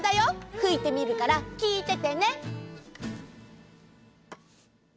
ふいてみるからきいててね！